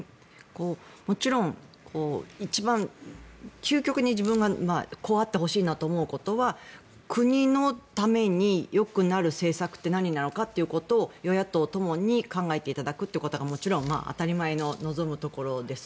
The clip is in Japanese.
もちろん、一番究極に自分がこうあってほしいなと思うことが国のためによくなる政策ってなんなのかということを与野党ともに考えていただくということがもちろん当たり前の望むところです。